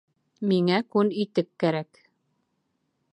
Миңә күн итек кәрәк